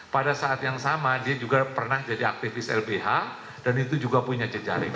pada saat yang sama dia juga pernah jadi aktivis lbh dan itu juga punya jejaring